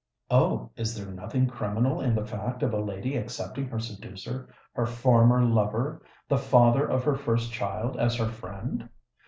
"Oh! is there nothing criminal in the fact of a lady accepting her seducer—her former lover—the father of her first child, as her friend?